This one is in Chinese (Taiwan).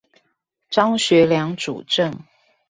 張學良主政